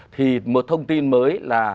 thì một thông tin mới là